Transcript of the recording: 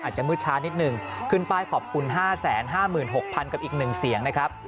อาจจะมืดช้านิดหนึ่งขึ้นป้ายขอบคุณ๕๕๖๐๐๐กับอีก๑เสียงนะครับ